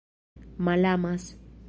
malamas